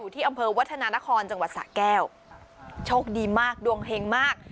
ที่อำเภอวัฒนานครจังหวัดสะแก้วโชคดีมากดวงเฮงมาก